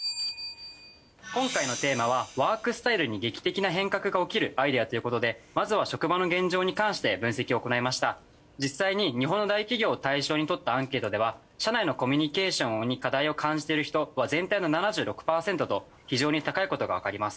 今回のテーマはワークスタイルに劇的な変革が起きるアイデアということでまずは実際に日本の大企業を対象にとったアンケートでは社内のコミュニケーションに課題を感じてる人は全体の７６％と非常に高いことがわかります。